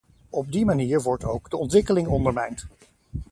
Op die manier wordt ook de ontwikkeling ondermijnd.